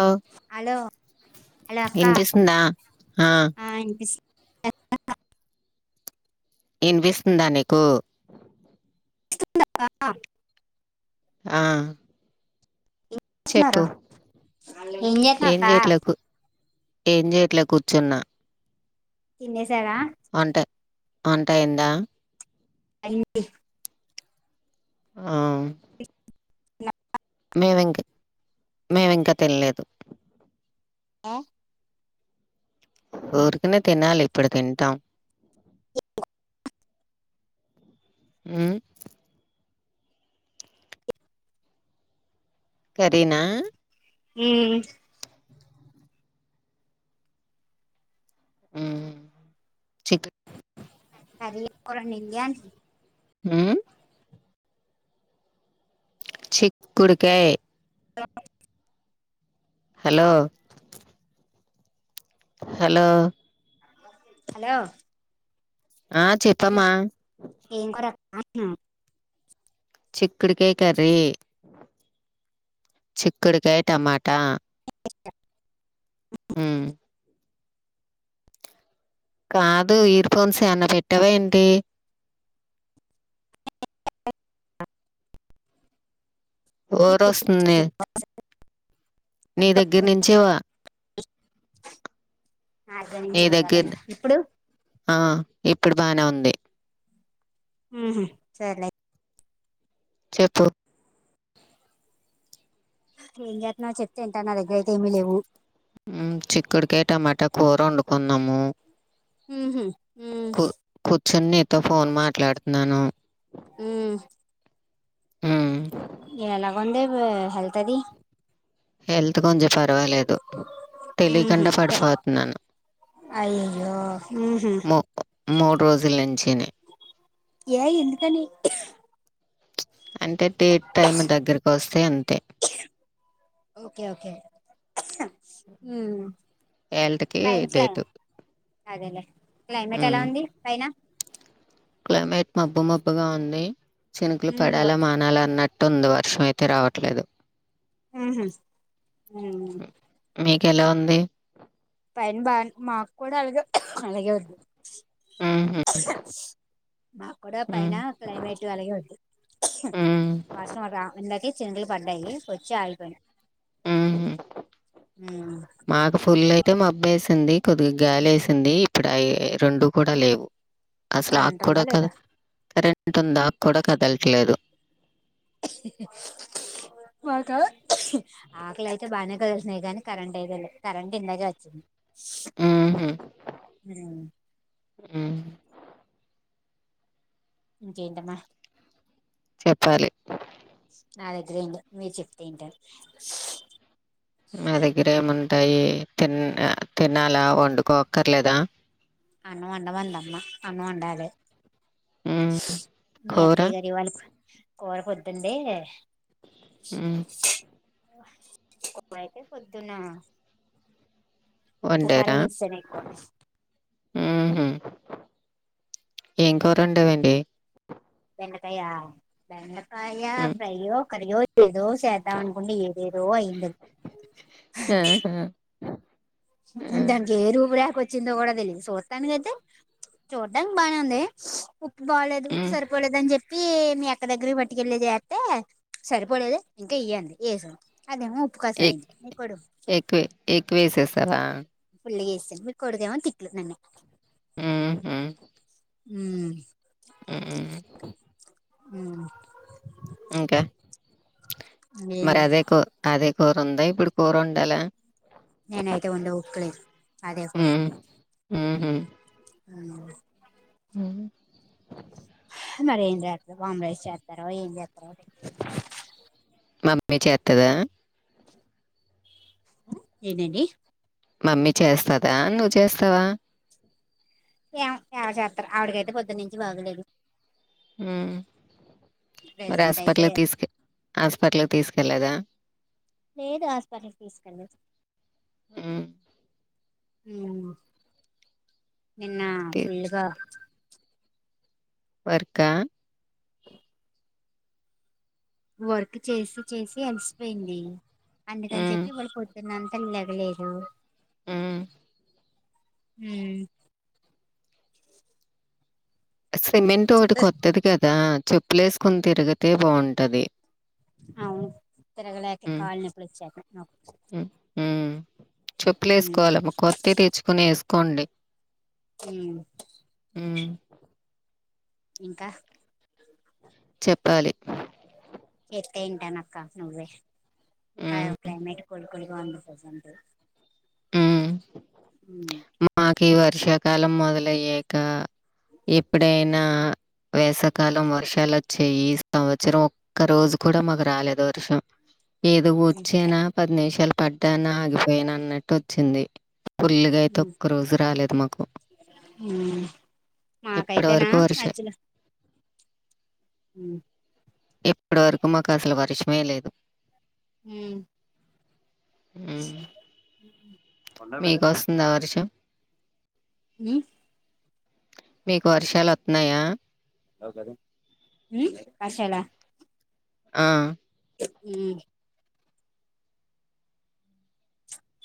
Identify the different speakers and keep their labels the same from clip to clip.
Speaker 1: అవ్
Speaker 2: hello hello అక్క
Speaker 1: వినిపిస్తుందా ఆ
Speaker 2: ఆ ఇనిపిస్
Speaker 1: ఇనిపిస్తుందా నీకు
Speaker 2: [inaudible]
Speaker 1: ఆ
Speaker 2: స్తున్నారు
Speaker 1: చెప్పు
Speaker 2: చేస్తున్నావ్
Speaker 1: ఏం
Speaker 2: అక్క
Speaker 1: చేయట్ల కు చేయట్ల కూర్చున్న
Speaker 2: తినేసారా
Speaker 1: వంటే వంటయిందా
Speaker 2: అయింది
Speaker 1: ఆ మేమింకా మేమి ఇంకా తెనలేదు
Speaker 2: ఆ
Speaker 1: ఊరికినే తినాలి ఇప్పుడు తింటా హ్మ్ కరి నా
Speaker 2: హ్మ్
Speaker 1: హ్మ్ చిక్
Speaker 2: కర్రీ ఏం కూర వండింది అం
Speaker 1: హ్మ్ చిక్కుడుకాయ్ హలో హలో
Speaker 2: హలో
Speaker 1: ఆ చెప్
Speaker 2: ఏం కూర అక్క అంటన్న
Speaker 1: చిక్కుడుకాయ్ కర్రీ చిక్కుడుకాయ్ టమాటా
Speaker 2: ే
Speaker 1: హ్మ్ కాదు ఇర్ఫోన్స్ ఏవన్న పెట్టవా ఏంటి వో రొస్తుంది నీ దగ్గర నుంచేవా నీ దగ్గర
Speaker 2: [unintelligible] ఇప్పుడు
Speaker 1: ఆ ఇప్పుడు బానే ఉంది
Speaker 2: మ్మ్ హ్మ్ సర్లే
Speaker 1: చెప్పు
Speaker 2: ఏం చేత్నావు చెప్తే ఇంట నా దగ్గర అయితే ఏమీ లేవు
Speaker 1: మ్మ్ చిక్కుడుకాయ టమాటా కూర వండుకుందము
Speaker 2: మ్మ్ హ్
Speaker 1: కూర్చొని నీతో ఫోన్ మాట్లాడుతున్నాను
Speaker 2: హ్మ్
Speaker 1: ఉ
Speaker 2: ఎలాగ ఉంది [unintelligible] హెల్త్ అది
Speaker 1: హెల్త్ కొంచెం పర్వాలేదు
Speaker 2: ఉహు
Speaker 1: తెలియకుండా పడిపోతున్నాను
Speaker 2: అయ్యయ్యో ఉహు
Speaker 1: ము మూడు రోజుల్ నుంచిని
Speaker 2: ఏ ఎందుకు అని
Speaker 1: అంటే డేట్ టైం దగ్గరకి వస్తే అంతే
Speaker 2: ఓకే ఓకే హ్మ్
Speaker 1: హెల్త్ కి డేట్
Speaker 2: అదేలే క్లైమేట్ ఎలా ఉంది పైన
Speaker 1: క్లైమేట్ మబ్బు మబ్బుగా ఉంది చినుకులు
Speaker 2: ఉమ్
Speaker 1: పడేలా మానాల అన్నట్ టుంది వర్షం అయితే రావట్లేదు
Speaker 2: మ్మ్ హు మ్
Speaker 1: మీకు ఎలా ఉంది
Speaker 2: ట్రైన్ బాన్ మాక్కూడా అలగే అలాగే ఉంది
Speaker 1: హ్మ్
Speaker 2: మాక్కూడా
Speaker 1: మ్,
Speaker 2: పైన క్లైమేట్ అలాగే ఉంది
Speaker 1: మ్.
Speaker 2: వర్షం [unintelligible] ఇందాకే చినుకులు పడ్డాయి వచ్చి ఆగిపోయినాయ్
Speaker 1: ఉమ్
Speaker 2: హ్మ్
Speaker 1: మాకు ఫుల్లు అయితే మబ్బు వేసింది కొద్దిగా గాలి వేసింది ఇప్పుడు అయి రెండు కూడా లేవు అసలు
Speaker 2: కరెంట్ ఉందా
Speaker 1: ఆక్కూడా
Speaker 2: లేదా
Speaker 1: కదల్ కరెంట్ ఉంది ఆక్కూడా కదల్ ట్లేదు
Speaker 2: మాకా ఆకలి అయితే బాగానే కలిసినాయి కానీ కరెంట్ అయితే లేదు కరెంట్ ఇందాకే వచ్చింది
Speaker 1: హుహు.
Speaker 2: హ్మ్
Speaker 1: మ్మ్
Speaker 2: ఇంకేంటమ్మా
Speaker 1: చెప్పాలి
Speaker 2: నా దగ్గర ఏం లేదు మీరు చేప్తే వింటాను
Speaker 1: మా దగ్గర ఏముంటాయి తిన్ తినాలా వండుకో అక్కర్లేదా
Speaker 2: అన్నం వండవంది అమ్మ అన్నం వండాలి
Speaker 1: హ్మ్.
Speaker 2: మీ
Speaker 1: కూర?
Speaker 2: అక్కే గారి ఇవాళ్ కూర పొద్దుందే
Speaker 1: మ్మ్
Speaker 2: ఇడైతే పొద్దున్న ఉప్పు కారం వేస్తనే ఎక్కువ
Speaker 1: హ్మ్ హు ఏం కూరా వండావేంటి
Speaker 2: బెండకాయ బెండకాయ
Speaker 1: హ్మ్.
Speaker 2: ఫ్రయ్యో కర్రీయో ఏదో సెత్తన్న చేద్దాం అనుకుంటే ఏదేదో అయ్యింది
Speaker 1: ఆహా! ఆ!
Speaker 2: దానికి ఏ రూపు రేఖ వచ్చిందో కూడా తెలిదు చూస్తానుకయితే చూడ్డానికి బానే ఉంది ఉప్పు బాగాలేదు ఉప్పు
Speaker 1: హ్మ్.
Speaker 2: సరి సరిపోలేదని చెప్పి మీ అక్క దగ్గర బట్టుకెళ్ళి చేస్తే సరిపోలేదు ఇంకా ఇయ్యండి ఏసి అదేమో
Speaker 1: ఎక్ ఎక్కువే ఎక్కువే వేసేస్సావా
Speaker 2: పుల్ వేస్తే మీకు కొడుదేవన్ తిట్లు నన్ను
Speaker 1: ఉమ్ హు
Speaker 2: హ్మ్
Speaker 1: హుమ్
Speaker 2: హ్మ్
Speaker 1: ఇంకా మరి
Speaker 2: నేను
Speaker 1: అదే కూ అదే కూర ఉందా ఇప్పుడు కూర వండాలా?
Speaker 2: నేనైతే వండే ఓపిక లేదు అదే కూర
Speaker 1: హ్మ్ హు
Speaker 2: హలో
Speaker 1: మ్
Speaker 2: మరీ ఏం చేత్తారో వామ్ రైస్ చేత్తారో ఏం చేత్తారో
Speaker 1: మమ్మీ చేత్తాదా
Speaker 2: ఏందండి
Speaker 1: మమ్మీ చేస్తాదా నువ్వు చేస్తావా
Speaker 2: ఏమో ఎవరు చేత్తరు ఆవిడికైతే పొద్దునుంచి బాగలేదు
Speaker 1: మ్ మరి
Speaker 2: ప్రెజెంట్ అయితే
Speaker 1: ఆసుపట్లాకి తీసుకె ఆసుపట్లాకి తీసుకెళ్ళేదా
Speaker 2: లేదు ఆసుపట్లాకి తీసుకెళ్ళేదు
Speaker 1: హ్మ్
Speaker 2: హ్మ్ నిన్న
Speaker 1: తి
Speaker 2: ఫుల్ గా
Speaker 1: వర్క్ ఆ
Speaker 2: వర్క్ చేసి చేసి అలిసిపోయింది అందుకని
Speaker 1: హ్మ్.
Speaker 2: చెప్పి ఇవాళ పొద్దున్నంత లేగ లేదు
Speaker 1: హ్మ్
Speaker 2: మ్
Speaker 1: సిమెంట్ ఓటి కొత్తది కదా చెప్పులే వేసుకొని తిరిగితే బావుంటది
Speaker 2: అవును తిరిగాలకే కాళ్లు నొప్పులొచ్చేత్తన్నాయి నాకు
Speaker 1: మ్ మ్మ్ చెప్పులు వేసుకోవాలమా కొత్తవి తెచ్చుకోని వేసుకోండి
Speaker 2: ఉమ్
Speaker 1: ఉమ్
Speaker 2: ఇంకా
Speaker 1: చెప్పాలి
Speaker 2: చెప్తే వింటాను అక్క నువ్వే
Speaker 1: హ్మ్.
Speaker 2: కైవ్ క్లైమేట్ కూల్ కూల్ గా ఉంది ప్రజెంట్
Speaker 1: ఉమ్
Speaker 2: మ్
Speaker 1: మాకు ఈ వర్షాకాలం మొదలయ్యేక ఎప్పుడైనా వేసవి కాలం వర్షాలు వచ్చేయి ఈ సంవచ్చరం క్క రోజు కూడా మాకు రాలేదు వర్షం ఏదో వొచ్చేనా పది నిమిషాలు పడ్డానా ఆగిపోయానా అన్నట్టు వొచ్చింది పుల్లుగా అయితే ఒక్క రోజు రాలేదు మాకు ఇప్పటి
Speaker 2: మాకైతేనా
Speaker 1: వరకూ వరుష
Speaker 2: ఊ
Speaker 1: ఎప్పుడు వరకు మాకు అసలు వర్షమే లేదు
Speaker 2: ఊ
Speaker 1: హ్మ్.
Speaker 2: ఉన్నావు
Speaker 1: మీకొస్తుందా వర్షం
Speaker 2: ఊ
Speaker 1: మీకు వర్షాలు వత్తున్నాయా
Speaker 2: ఊమ్ వర్షాలా
Speaker 1: ఆ
Speaker 2: ఊమ్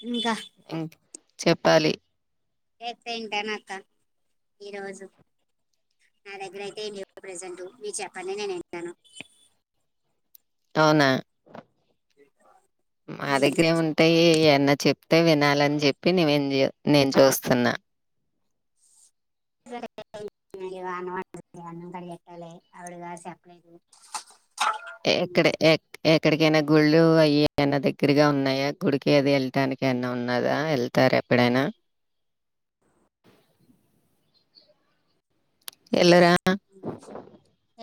Speaker 2: ఇంకా
Speaker 1: ఇంక్ చెప్పాలి
Speaker 2: ఎగ్ తింటానక్క ఈ రోజు నా దగ్గర అయితే ఏం లేవు ప్రజెంటు మీరు చెప్పండి నేను వింటాను
Speaker 1: అవునా మా దగ్గరేం ఉంటాయి ఏయన్నా చెప్తే వినాలని చెప్పి [unintelligible] నేను చూస్తున్నా
Speaker 2: [unintelligible] అన్నం కడిగి ఎట్టాలె అవిడ గారు చెప్పలేదు
Speaker 1: ఎక్కడే ఎక్ ఎక్కడికైనా గుళ్ళు అయి ఏమన్నా దగ్గరగా ఉన్నాయా గుడికి అది ఎల్టానికి ఎమన్నా ఉన్నాదా ఎల్ తారెప్పుడైనా ఎల్లరా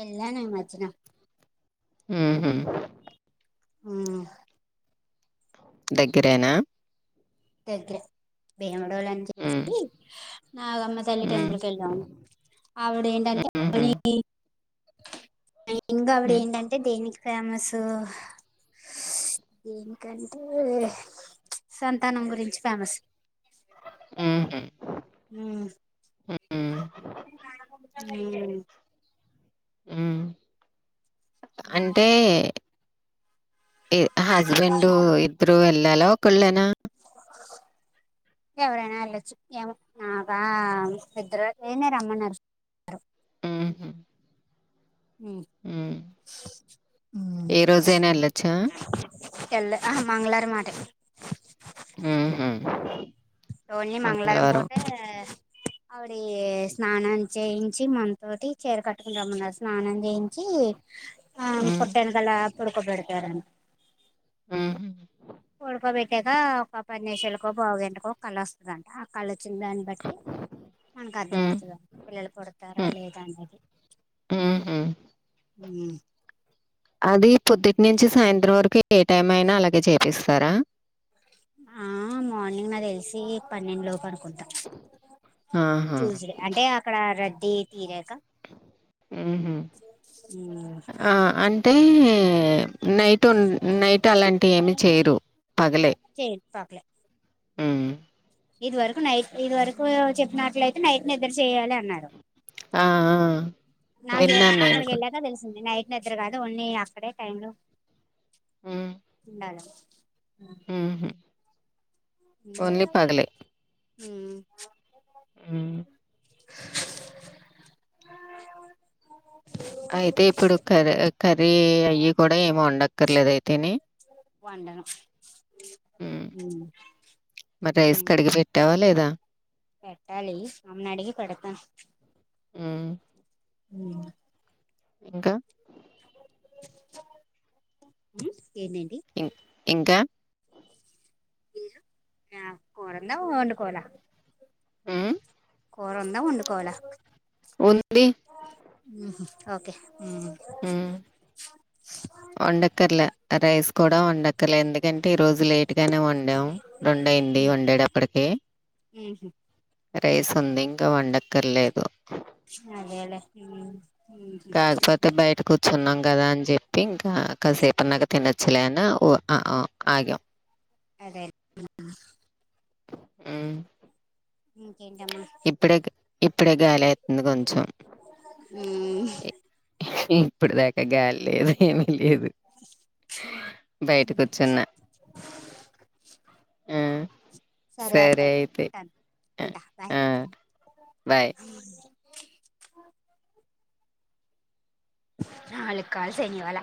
Speaker 2: ఏల్లాను ఈ మధ్యన
Speaker 1: ఊహూ
Speaker 2: ఊ
Speaker 1: దగ్గరేనా
Speaker 2: దగ్గరే భీమడోలు అని
Speaker 1: హ్మ్.
Speaker 2: చెప్పేసి నాగమ్మ తల్లి
Speaker 1: హ్మ్.
Speaker 2: టెంపుల్ కెళ్ళాము ఆవిడేంటంటే
Speaker 1: హుహు.
Speaker 2: [unintelligible] మెయిన్ గాళఅవిడ
Speaker 1: హ్మ్.
Speaker 2: ఏంటంటే దేనికి ఫేమసు దేనికంటే సంతానం గురించి ఫేమస్
Speaker 1: ఊహూ
Speaker 2: ఊ ఊ
Speaker 1: ఊమ్ అంటే ఎ అహ స్బెండూ ఇద్దరూ ఎల్లాలా ఒకల్లేనా
Speaker 2: ఎవరైనా ఎళ్ళొచ్చు ఏమో నాకా ఇద్దరూ నెనే రమ్మన్నారు
Speaker 1: ఊహూ
Speaker 2: ఊ ఉ ఊ
Speaker 1: ఏ రోజైనా ఎళ్ళొచ్చా?
Speaker 2: ఎల్లే అహా మంగళారం మాటే
Speaker 1: ఊహూ
Speaker 2: టోని మంగళారం పోతే ఆవిడీ స్నానం చేయించి మన్తోటి చీర కట్టుకుని రమ్మున్నరు స్నానం చేయించీ. ఆ
Speaker 1: హ్మ్.
Speaker 2: తొట్టెనకాలా పడుకోబెడతారండ్
Speaker 1: ఊహు
Speaker 2: పడుకోబెట్టాకా ఒక పది నిమిషాలకో పావుగంటకో కళొస్తదంటా ఆ కళొచ్చిన దాన్ని బట్ టి మనకు
Speaker 1: హ్మ్.
Speaker 2: అర్ధమైతదం పిల్లలు పుడతారా
Speaker 1: హ్మ్.
Speaker 2: లేదా అనేది
Speaker 1: హుహు.
Speaker 2: ఊ
Speaker 1: అది పొద్దుటి నుంచి సాయంత్రం వరకు ఏ టైం అయినా అలాగే చేపిస్తారా.
Speaker 2: ఆ మార్నింగ్ నాక్ తెలిసీ పన్నెండు లోపు అనుకుంటా
Speaker 1: ఆహా!
Speaker 2: ట్యూస్డే. అంటే అక్కడా రద్దీ తీరాకా
Speaker 1: ఊహు
Speaker 2: మ్
Speaker 1: ఆ అంటే నైటున్ నైట్ ట్ అలాంటియి ఏమి చేయరు.
Speaker 2: చెయ్యన్ పర్లే
Speaker 1: ఊ
Speaker 2: ఇది వరకు నైట్ ఇది వరకు చెప్పినట్లయితే నైట్ నిద్ర చెయ్యాలి అన్నారు.
Speaker 1: ఆ! ఆ!
Speaker 2: నాకు
Speaker 1: విన్నాను నేను
Speaker 2: అక్కడికి
Speaker 1: కూడా.
Speaker 2: ఎళ్ళాక తెలిసింది నైట్. నిద్ర గాదు ఒన్లీ అక్కడే టైం లోప్ ఉండాలని.
Speaker 1: ఊహు
Speaker 2: ఊహ్ ఊ
Speaker 1: ఊ అయితే ఇప్పుడు
Speaker 2: మ్మ్
Speaker 1: కర్ కర్రీ అయి కూడా ఏం వండక్కర్లేదా అయితేని.
Speaker 2: వండను
Speaker 1: మ్ మరి రైస్ కడిగి పెట్టావా లేదా.
Speaker 2: పెట్టాలీ ఆమెని అడిగి పెడతా
Speaker 1: ఊ ఇంక
Speaker 2: ఊ ఏందేంటి
Speaker 1: ఇ ఇంకా
Speaker 2: కూరుందా వండుకోవాలా
Speaker 1: ఊహ్
Speaker 2: కూరుందా వండుకోవాలా
Speaker 1: ఉంది
Speaker 2: ఊ హు ఓకే ఊ
Speaker 1: హ్మ్. వండక్కర్లే రైస్ కూడా వండక్కర్లే ఎందుకంటే ఈ రోజు లేట్ గానే వండాం. రెండయింది వండేడప్పటికే.
Speaker 2: ఊహు
Speaker 1: రైస్ ఉంది ఇంకా వండక్కర్లేదు.
Speaker 2: అదేలేే ఉమ్మ్
Speaker 1: కాదు పత్ తె బయట కూర్చున్నాం గదా అని చెప్పి ఇంకా కాసేపు ఉన్నాకా తినొచ్చులే అని ఉ అ అ ఆగాం.
Speaker 2: ఆగైన్
Speaker 1: మ్
Speaker 2: ఇంకేంటం
Speaker 1: ఇప్పుడే గ్ ఇప్పుడే గాలి ఏతుంది కొంచెం
Speaker 2: మ్
Speaker 1: ఇప్పుడు దాకా గాలి లేదు ఏమి లేదు బయట కుచ్చున్న మ్ సరే అయితే అ
Speaker 2: ఉంటా బాయ్
Speaker 1: ఆ బాయ్
Speaker 2: నాలుగ్ కాల్స్ అయినయ్ ఇవాళ